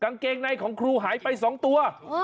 กางเกงในของครูหายไป๒ตัว